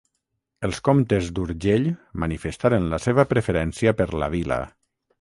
Els comtes d'Urgell manifestaren la seva preferència per la vila.